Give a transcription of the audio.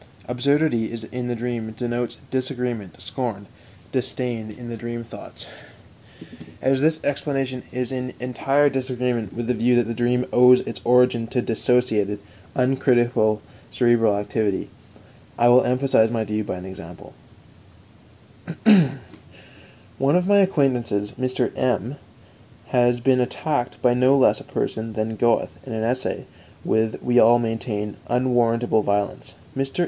Absurdity in the dream denotes disagreement, scorn, disdain in the dream thoughts. As this explanation is in entire disagreement with the view that the dream owes its origin to dissociated, uncritical cerebral activity, I will emphasize my view by an example: _"One of my acquaintances, Mr. M , has been attacked by no less a person than Goethe in an essay with, we all maintain, unwarrantable violence. Mr.